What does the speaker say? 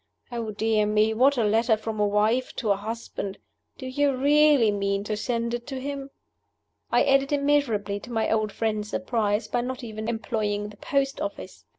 Oh, dear me, what a letter from a wife to a husband! Do you really mean to send it to him?" I added immeasurably to my old friend's surprise by not even employing the post office.